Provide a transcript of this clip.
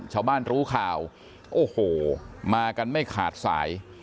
ชาวบ้านรู้ข่าวโอ้โหมากันไม่ขาดสาย